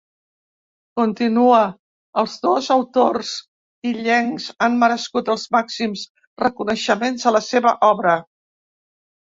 Continua: Els dos autors, illencs, han merescut els màxims reconeixements a la seva obra.